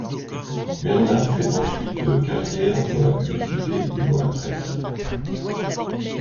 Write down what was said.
Bernar fait ensuite carrière dans la publicité et dans la presse.